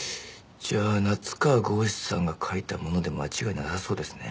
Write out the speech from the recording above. じゃあ夏河郷士さんが書いたもので間違いなさそうですね。